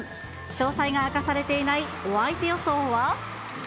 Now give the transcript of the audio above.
詳細が開かされていないお相手予想は。